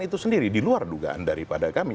itu sendiri di luar dugaan daripada kami